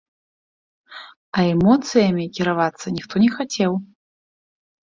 А эмоцыямі кіравацца ніхто не хацеў.